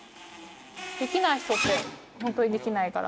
できない人ってホントにできないから。